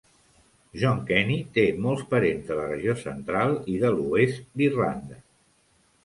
Jon Kenny té molts parents de la regió central i de l'oest d'Irlanda.